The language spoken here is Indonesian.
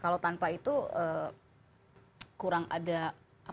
kalau tanpa itu kurang ada apa